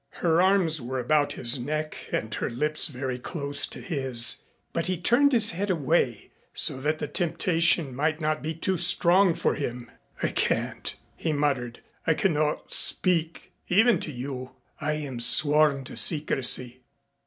Her arms were about his neck, and her lips very close to his, but he turned his head away so that the temptation might not be too strong for him. "I can't," he muttered, "I cannot speak even to you. I am sworn to secrecy."